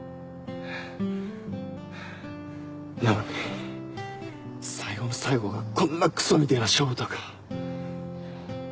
なのに最後の最後がこんなクソみてぇな勝負とか。